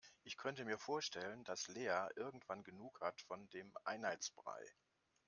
Ich könnte mir vorstellen, dass Lea irgendwann genug hat von dem Einheitsbrei.